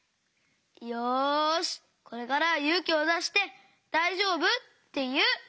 よしこれからはゆうきをだして「だいじょうぶ？」っていう！